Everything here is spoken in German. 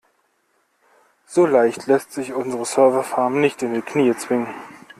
So leicht lässt sich unsere Serverfarm nicht in die Knie zwingen.